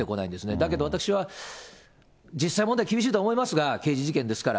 だけど私は、実際問題、厳しいとは思いますが、刑事事件ですから。